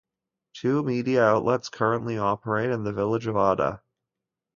Two media outlets currently operate in the Village of Ada.